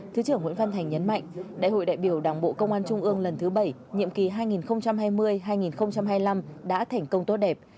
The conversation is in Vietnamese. thứ trưởng nguyễn văn thành nhấn mạnh đại hội đại biểu đảng bộ công an trung ương lần thứ bảy nhiệm kỳ hai nghìn hai mươi hai nghìn hai mươi năm đã thành công tốt đẹp